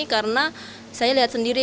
karena saya lihat sendiri